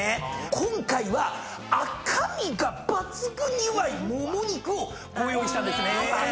今回は赤身が抜群にうまいもも肉をご用意したんですね。